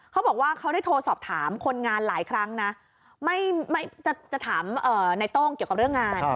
เขาบอกว่าเขาได้โทรสอบถามคนงานหลายครั้งนะจะถามในโต้งเกี่ยวกับเรื่องงาน